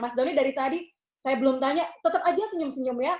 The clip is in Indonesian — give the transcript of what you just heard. mas doni dari tadi saya belum tanya tetap aja senyum senyum ya